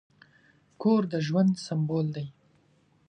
کور د ژوند سمبول دی.